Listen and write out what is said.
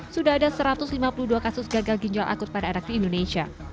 sudah ada satu ratus lima puluh dua kasus gagal ginjal akut pada anak di indonesia